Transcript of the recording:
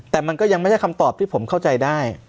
แต่มันก็ยังไม่ใช่คำตอบที่ผมเข้าใจได้